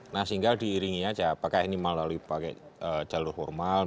nah sehingga diiringi saja apakah ini melalui jalur formal